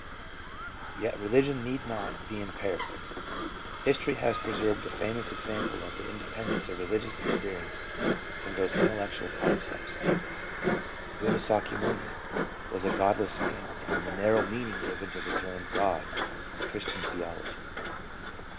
Yet religion need not be impaired. History has preserved a famous example of the in dependence of religious experience from those intellectual con cepts. Buddha Sakyamuni was a godless man, in the narrow meaning given to the term God in Christian theology.